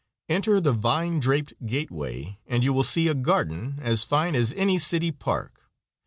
Enter the vine draped gateway and you will see a garden as fine as any city park.